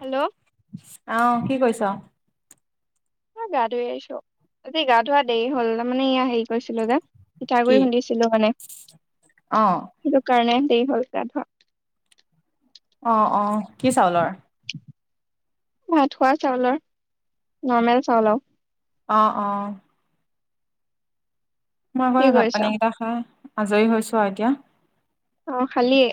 Hello. আহ, কি কৰিছ? এ, গা-ধুই আহিছো, আজি গা-ধোৱা দেৰি হ'ল। তাৰমানে এইয়া হেৰি কৰিছিলো যে। কি পিঠাগুৰি খুন্দিছিলো মানে অ সেইটো কাৰণে দেৰি হ'ল গা-ধোৱা। অ' অ', কি চাউলৰ? ভাত খোৱা চাউলৰ নৰ্মেল চাউল আও। অঁ, অঁ। মই কি বাৰু কৰিছ ভাত-পানী কেইটা খাই আজৰি হৈছোঁ আৰু এতিয়া। অ' খালিয়ে?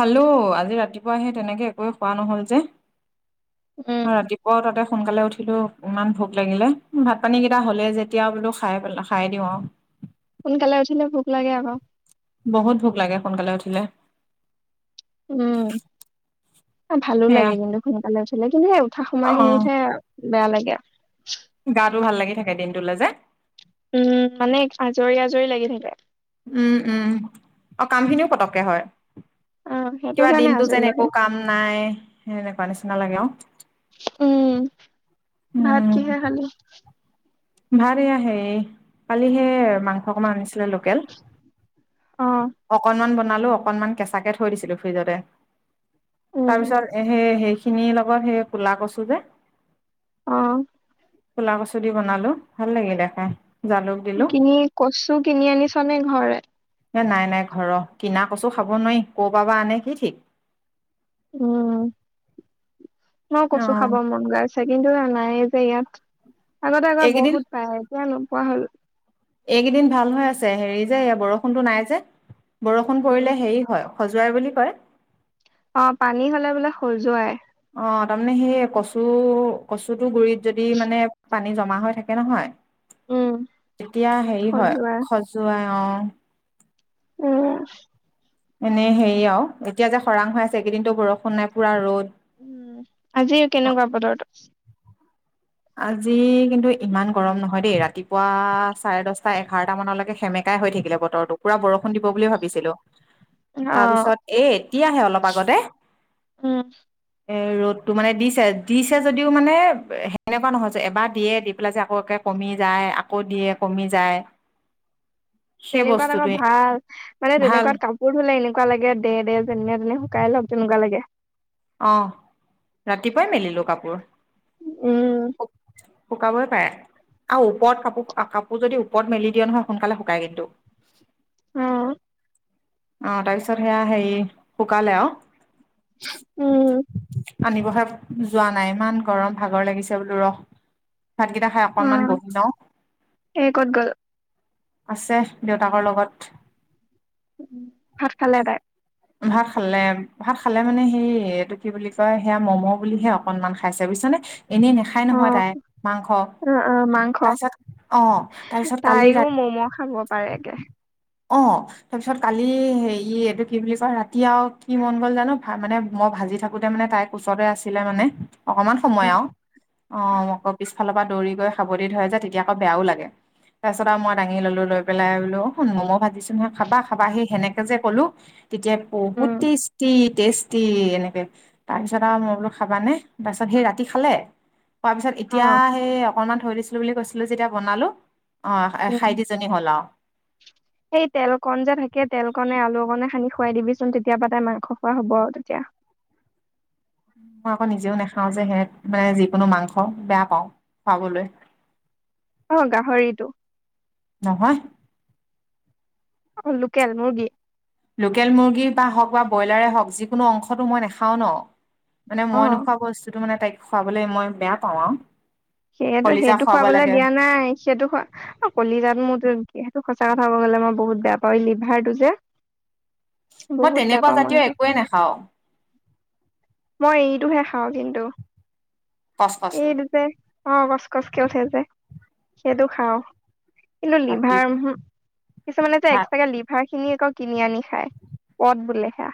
খালো আজি ৰাতিপুৱা আহি তেনেকে একোৱে খোৱা নহল যে উম অ ৰাতি আকৌ তাতে সোনকালে উঠিলোঁ ইমান ভোক লাগিলে ভাত পানীকেইটা হ'লেই যেতিয়া বোলো খাই পেলা খাইয়ে দিওঁ আৰু। সোনকালে উঠিলে ভোক লাগে আক। বহুত ভোক লাগে সোনকালে উঠিলে। উম ভালো সেয়া লাগে কিন্তু সোনকালে উঠিলে কিন্তু সেই উঠা অ সময় খিনিতহে বেয়া লাগে গাটো ভাল লাগি থাকে দিনটোলে যে। উম মানে আজৰি আজৰি লাগি থাকে। উম উম আৰু কামখিনিও পতককে হয়। অ সেইটো কিবা কাৰণে দিনটো আজৰি যেন লাগে একো কাম নাই সেনেকুৱা নিচিনা লাগে আৰু। উম ভাত উম কিহে খালি? ভাত এয়া হেৰি কালিহে মাংস অকনমান আনিছিলে লোকেল অ অকনমান বনালো অকণমান কেঁচা কে থৈ দিছিলো ফ্ৰিজতে তাৰ উম পিছত এহে সেই খিনিৰ লগত সেই কুলা কচু যে অ কুলা কচু দি বনালো ভাল লাগিলে খাই। জালুক দিলো কিনি কচু কিনি আনিছ নে ঘৰৰে এ নাই নাই ঘৰৰ কিনা কচু খাব নোৱাৰি ক'ৰ পৰা বা আনে কি ঠিক উম মও অ কচু খাব মন গাই আছে কিন্তু এ নাইয়ে যে ইয়াত আগতে আকৌ এইকেইদিন বহুত পাই এতিয়া নোপোৱা হ'ল। এইকেইদিন ভাল হৈ আছে হেৰি যে বৰষুণটো নাই যে বৰষুণ উম। পৰিলে হেৰি হয় খজুৱাই বুলি কয়। অ পানী হ'লে বোলে খজুৱাই অ তাৰমানে সেই কচু কচুটো গুৰিত যদি মানে পানী জমা হৈ থাকে নহয় উম তেতিয়া হেৰি হয় খজুৱাই খজুৱাই অ উম এনেই হেৰি আৰু এতিয়া যে খৰাং হৈ আছে এইকেইদিনতো বৰষুণ নাই পুৰা ৰ'দ। উম আজি কেনেকুৱা বতৰটো আজি কিন্তু ইমান গৰম নহয় দেই ৰাতিপুৱা চাৰে দহটা, এঘাৰটা মানলৈকে সেমেক- কাই হৈ থাকিলে বতৰতো পুৰা বৰষুণ দিব বুলি ভাবিছিলো। অ তাৰ পিছত এ এতিয়াহে অলপ আগতে উম এ ৰ'দটো মানে দিছে দিছে যদিও মানে সে- নেকুৱা নহয় যে এবাৰ দিয়ে দি পেলাই যে আকৌ একে কমি যায় আকৌ দিয়ে কমি যায় সেই তেনেকুৱাত আকৌ বস্তুটোৱে ভাল মানে ভাল তেনেকুৱাত কা পোৰ ধুলে এনেকুৱা লাগে দে দে যেনে তেনে শুকাই লওঁক তেনেকুৱা লাগে। অ ৰাতিপুৱাই মেলিলো কাপোৰ। উম শুকাবই পাৰে আৰু উপৰত কাপোৰ কাপোৰ যদি উপৰত মেলি দিয়ে নহয় সোনকালে শুকাই কিন্তু। উম অ তাৰপিছত সেয়া হেৰি শুকালে আৰু। উম আনিবহে যোৱা নাই ইমান গৰম ভাগৰ লাগিছে বোলো ৰস ভাতকেইটা হে অ অকণমান বহি যাওঁ। এই ক'ত গ'ল? আছে দেউতাকৰ লগত। ভাত খালে তাই। ভাত খালে ভাত খালে মানে সেই এইটো কি বুলি কয় সেয়া ম'ম' বুলিহে অকনমান খাইছে বুজিছানে। এনেই নাখায় নহয় তাই মাংস। অঁ অঁ মাংস তাৰপিছত অ' তাৰপিছত কালি ৰাতি তাইও ম'ম' খাব পাৰে গে। অঁ' তাপিছত কালি হেৰি এইটো কি বুলি কয় ৰাতি আৰু কি মন গ'ল জানো মানে মই ভাজি থাকোতে মানে তাই- ওচতে আছিলে মানে অকমান সময় আও। উম। অঁ ময় ক পিছফালৰ পৰা দৌৰি গৈ সাবদি ধৰে যে তেতিয়া আকৌ বেয়াও লাগে তাৰপিছত আও ময়- দাঙি ললো লৈ পেলাই বোলো ম'ম ভাজিছো নহয় খাবা খাবা সি সেনেকে যে কলো- তেতিয়া বহুত উম টেষ্টি টেষ্ট- টি এনেকে তাৰপিছত আও মই বোলো খাবা নে তাৰপিছত সেই ৰাতি খালে। কোৱাৰ পিছত অ। এতিয়া সেই অকনমান থৈ দিছিলো বুলি কৈছিলো যেতিয়া বনালো অঁ উম, খাই দিছ- হল আও। সেই তেল কণ যে থাকে তেল কণে আলু কণে সানি খুৱাই দিবিচোন তেতিয়া পা তাইৰ মাংস খোৱা হ'ব আৰু তেতিয়া। মই আকৌ নিজেও নাখাও যে সেহ মানে যিকোনো মাংস বেয়া পাওঁ খুৱাবলৈ। অ গাহৰিটো। নহয়। অ লোকেল মুৰ্গী। লোকেল মুৰ্গীৰ বা হওক বা ব্ৰইলাৰে হওক যিকোনো অংশটো মই নাখাওঁ ন। মানে মই অ', নোখোৱা বস্তুটো মানে তাইক খুৱাবলে মই বেয়া পাওঁ আও। সেইয়েটো সেইটো খোৱাবলৈ দিয়া নাই সেইটো খোৱা- অ কলিজাত মোৰ সেইটো সঁচা কথা ক'ব গ'লে মই বহুত বেয়া পাওঁ এই লিভাৰটো যে। বহুত বেয়া পাওঁ মই সেইটো। নে নেখাওঁ। মই এইটোহে খাওঁ কিন্তু কচ কচটো এইটো দুটাই- অঁ কচ কচ কে উঠে যে সেইটো খাওঁ কিন্তু লিভাৰ উমহু। কিছুমানে যে ভাত এক্সট্ৰাকে আকৌ লিভাৰ খিনি আকৌ কিনি আনি খায় পদ বোলে সেয়া।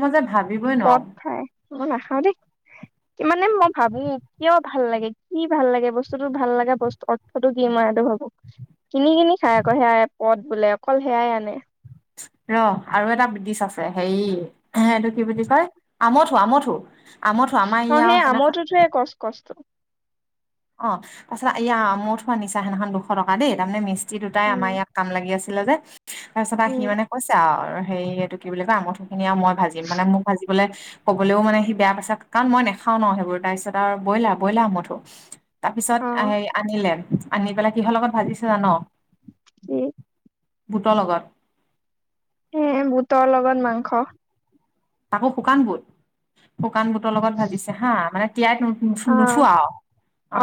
মই যে ভাবিবই নোৱাৰো। হয়, ময় নাখাওঁ দেই। ইমানে মই ভাবো কিয় ভাল লাগে কি ভাল লাগে বস্তুতো ভাল লগা বস্তু- অৰ্থটো কি মই সেইটো ভাবো কিনি কিনি খাই আকৌ সেয়াই পদ বোলে অকল সেয়াই আনে। ৰ আৰু এটা বিতিচ আছে হেৰি এইটো কি বুলি কয়? আমঠো আমঠো। অঁ সেই আমঠোটোৱে কচ কষ্ট। অঁ তা পাছত ইয়া আমঠু আনিছে সেনাখন দুশ টকা দেই তাৰমানে মিস্ত্ৰী দুটাই আমা উম ইয়া- কাম লাগি আছিলে যে, তাৰপিছত আও হি উম মানে কৈছে আৰু হেৰি এইটো কি বুলি কয় আমঠো- খিনি আও মই ভাজিম মানে মোক ভাজিবলে- ক'বলেও মানে সি বেয়া পাইছে, কাৰণ মই নেখাও ন সেইবোৰ তাৰপিছত আৰু ব্ৰইলাৰ ব্ৰইলা ব্ৰয়লাৰ আমঠো। তাপিছত অ আই আনিলে আনি পেলাই কিহ লগত ভাজিছো জান- কি? বুট লগত। এঁ বুটৰ লগত মাংস। তাকো শুকান বুট শুকান বুটৰ লগত ভাজিছে হা মানে তিয়াই- অ নু-নুঠো আৰু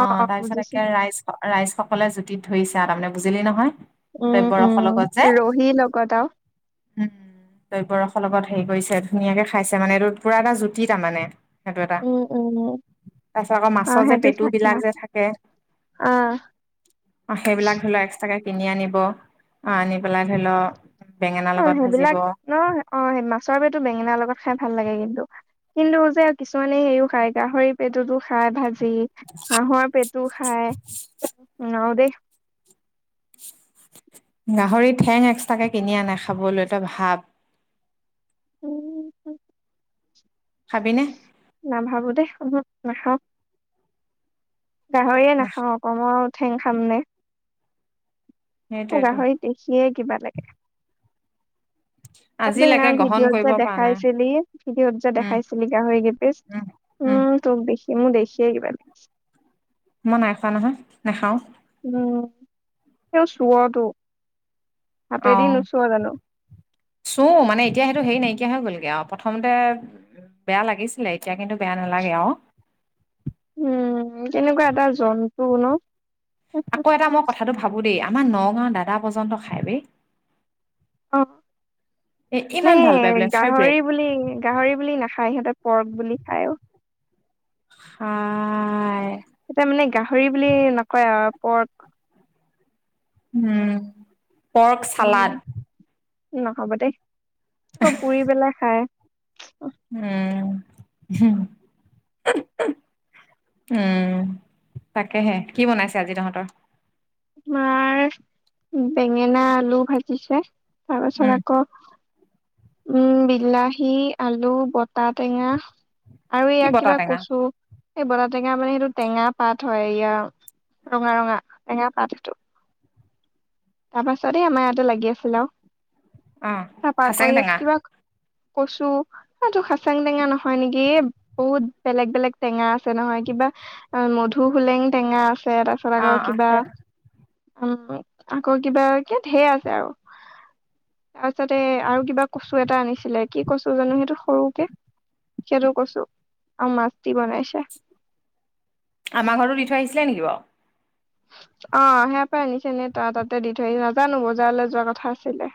অ অ তাৰপিছত বুজিছো একে ৰাইচ [unintelligible] ৰাইজসকলে জুতিত ধৰিছে আউ তাৰ মানে বুজিলি নহয়? [unintelligible] উম উম দ্ৰব্যৰসৰ লগত যে ৰহি লগত আৰু [unintelligible] উম! দ্ৰব্য ৰসৰ লগত হেৰি কৰিছে ধুনীয়াকে খাইছে মানে এইটো পুৰা এটা জুতি তাৰ মানে। [unintelligible] সেইটো এটা উম উম [unintelligible] তাৰ পিছত আকৌ অ মাছৰ যে সেইটো চাকমা পেটুবিলাক যে থাকে অ [unintelligible] সেইবিলাক ধৰি লওক এক্সট্ৰাকে কিনি আনিব। আহ আনি পেলাই ধৰি ল [unintelligible] অঁ! সেইবিলাক ন [unintelligible] অঁ! মাছৰ পেটু বেঙেনাৰ লগত খাই ভাল লাগে কিন্তু। কিন্তু যে কিছুমানে হেৰি ও খাই গাহৰি [unintelligible] পেটুতো খাই ভাজি, হাঁহৰ পেটটো খাই নোৱাৰো দেই। [unintelligible] গাহৰি ঠেং এক্সট্ৰাকে কিনি আনে খাবলৈ তই ভাৱ। [unintelligible] উম [unintelligible] খাবি নে? [inaudible] নাভাবো দেই। [unintelligible] নাখাওঁ। গাহৰিয়ে নাখ নাখাওঁ আকৌ মই আৰু ঠেং খাম নে। [unintelligible] মোৰ সেইটোয়েতো গাহৰি দেখিয়ে কিবা লাগে। [unintelligible] [unintelligible] আজিলৈকে সেইদিনাখন গ্ৰহণ ভিডিঅত যে কৰিব পৰা নাই দেখাইছিলি ভিডিঅত যে উম, দেখাইছিলি গাহৰি কেই পিচ [unintelligible] উম [inaudible] উম। তোক দেখি মোৰ দেখিয়ে কিবা [unintelligible] মই নাই খোৱা নহয়। নাখাওঁ [unintelligible] উম! তেওঁ চুৱটো হাতেদি নোচোৱা জানো? [unintelligible] চু মানে এতিয়া সেইটো হেৰি নাইকিয়া হৈ গ'লগে আৰু প্ৰথমতে [unintelligible] [unintelligible] বেয়া লাগিছিলে এতিয়া কিন্তু বেয়া নালাগে আৰু। উম! কেনেকুৱা এটা জন্তুৰ ন। [unintelligible] আকৌ এটা মই কথাটো ভাবো দেই আমাৰ নগাঁৱৰ দাদা পৰ্যন্ত খাই বেই [unintelligible] অঁ! এ ইমান মানে ভাল পাই বোলে ফেভৰেট গাহৰি বুলি [unintelligible] গাহৰি বুলি নাখায় সিহঁতে পৰ্ক বুলি খায় অ। [unintelligible] অঁ। [unintelligible] তাৰ মানে গাহৰি বুলি নকয় আৰু পৰ্ক [unintelligible] উম! পৰ্ক উম ছালাড। [inaudible] নহব দেই। আকৌ পুৰি পেলাই খায়। [unintelligible] উম। [unintelligible] উম! তাকেহে। কি বনাইছে আজি তহঁতৰ? [inaudible] আমাৰ বেঙেনা, আলু ভাজিছে তাৰ পাছত উম আকৌ [inaudible] উম! বিলাহী, আলু, বটা টেঙা [unintelligible] আৰু কি ইয়াক বতা কিবা টেঙা কচু। এই বটা টেঙা মানে সেইটো টেঙা পাত হয় ইয়াৰ। [unintelligible] ৰঙা-ৰঙা টেঙা পাত সেইটো। [inaudible] তাৰপাছতে আমাৰ ইয়াতে লাগি আছিল আৰু। অ তাৰপা খাচেং কৰি টেঙা [unintelligible] কচু [unintelligible] এইটো খাচাং টেঙা নহয় নেকি? এ বহুত বেলেগ-বেলেগ টেঙা আছে নহয় কিবা [unintelligible] [unintelligible] মধু হোলেং টেঙা আছে তাৰপিছত অ আকৌ অ কিবা সেই উম! [unintelligible] আকৌ কিবা কি ধেৰ আছে আৰু। তাৰপিছতে আৰু কিবা কচু এটা আনিছিলে কি কচু জানো সেইটো সৰুকে [unintelligible] সেইটো কচু আৰু মাছ দি বনাইছে। [unintelligible] আমাৰ ঘৰতো দি থৈ আহিছিলে নেকি বাৰু? [unintelligible] অ সেয়া পা পৰা আনিছেনে তাৰ তাতে দি থৈ নাজানো বজাৰলৈ যোৱা কথা আছিলে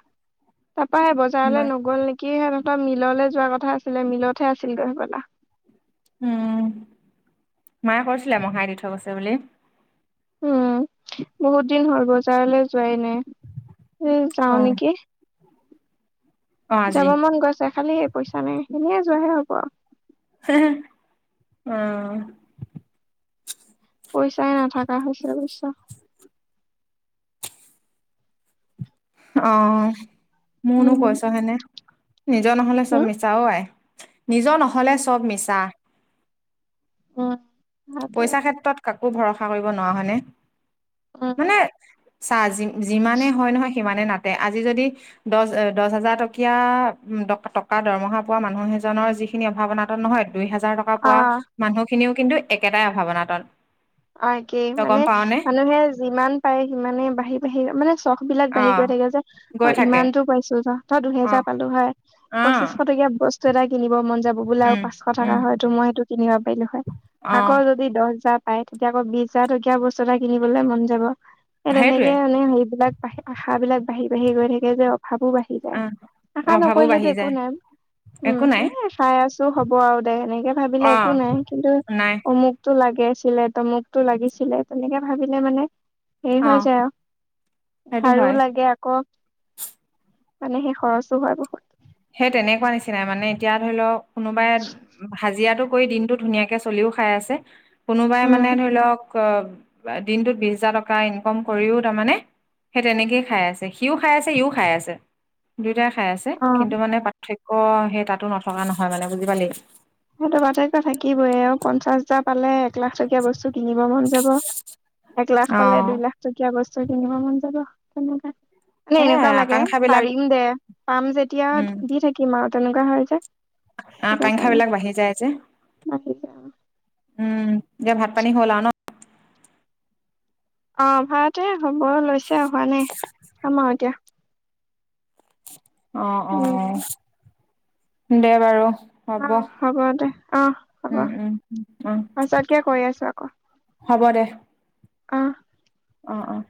তাপা সে বজাৰলৈ নাই। নগ'ল নেকি সিহঁতৰ মিললৈ যোৱা কথা আছিলে মিলতহে আছিল গৈ সবলা উম মায়ে কৰিছিলে মহাই দি থৈ গৈছে বুলি উম বহুত দিন হ'ল বজাৰলৈ যোৱাই নাই উম যাও অ নেকি অ আজি যাব মন গৈছে খালি স পইচা নাই এনে যোৱাহে হব আও হে হে অ পইচাই নাথকা হৈছে বুজিছা অ মোৰনো উম, পইছা [unintelligible] নিজৰ নহলে চব হম, মিছাও আই নিজৰ নহ'লে চব মিছা অ পইচাৰ ক্ষেত্ৰত কাকো ভৰষা কৰিব নোৱাও হয় নে উম মানে চা যিমানে হয় নহয় সিমানে নাটে আজি যদি দহ দহ হাজাৰ টকীয়া উ টকা দৰমহা পোৱা মানুহ এজনৰ যি খিনি অভাৱনাতন নহয় দুই হাজাৰ টকা পোৱা আহ মানুহখিনিও কিন্তু একেটাই অভাৱ অনাতন অ কিই মানে মানুহে যিমান পাৰে সিমানে বাঢ়ি বাঢ়ি মানে চখ বিলাক বাঢ়ি অ' গৈ থাকে যে অ গৈ থাকে। ইমানতো পাইছো জ তই দুহেজাৰ অ' পালো হয় পঁচিছ শ অ' টকীয়া বস্তু এটা কিনিব মন যাব বোলে আৰু উম পাঁচশ টকা উম হয়ো মই সেইটো কিনিব পাৰিলো হয় অ' আগৰ য যদি দহ হাজাৰ পায় তেতিয়া আকৌ বিশ হাজাৰ টকীয়া বস্তু এটা কিনিবলে মন যাব সেই তেনেকে সেইটোৱে। মানে হেৰি বিলাক বা আশা বিলাক বাঢ়ি বাঢ়ি গৈ থাকে যে অভাৱো বাঢ়ি জায় অ' আশা অভাৱো নকৰিলেতো বাঢ়ি একো যায়। নাই উম একো নাই। খাই আছো হ'ব আৰু দে সেনেকে ভাবিলে একো অ' নাই কিন্তু নাই। অমুকতটো লাগে আছিলে তমুকতটো লাগিছিলে তেনেকে ভাবিলে মানে হেৰি অ' হৈ যায় আৰু সেইটো ঝাৰু হয় লাগে আ [unintelligible] মানে সেই খৰচো হয় বহুত সেই তেনেকুৱা নিচিনাই মানে এতিয়া ধৰি লওক কোনোবাই ভাজিৰাটো কৰি দিনটো ধুনীয়াকে চলিও খাই আছে কোনোবাই উম মানে ধৰি লওক অ দিনটোত বিশ হাজাৰ টকা ইনকম কৰিও তাৰ মানে সেই তেনেকেই খাই আছে সিও খাই আছে সিও খাই আছে দুয়টাই খাই আছে অ কিন্তু মানে পাৰ্থক্য সেই তাতো নথকা নহয় মানে বুজি পালি সেইটো [unintelligible] থাকিবই আৰু পঞ্চাশ হাজাৰ পালে এক লাখ টকীয়া বস্তু কিনিব মন যাব এক লাখ পালে দুই লাখ দু টকীয়া বস্তু কিনিব মন যাব তেনেকা মানে সেয়াই এনেকুৱা লাগে আকাংক্ষা বিলাক পাৰিম দে পাম উম যেতিয়া দি থাকিম আৰু তেনেকুৱা হয় যে আ সেইটো কাংক্ষা কাৰণে বিলাক বাঢ়ি যাই যে বাঢ়ি যায় উম এতিয়া ভাত পানী হল আৰু ন অ ভাতে হব লৈছে অহা নাই চাম আৰু এতিয়া অ অ উম, দে বাৰু হ'ব অ' দে অ' হ'ব উম উম অ পাছতকে কৰি আছো আকৌ হ'ব দে অ অঁ অঁ